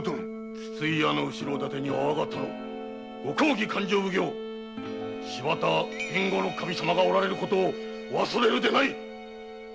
筒井屋の後ろ盾には我が殿公儀勘定奉行柴田備後守様がおられる事を忘れるでない。